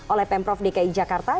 oleh pemprov dki jakarta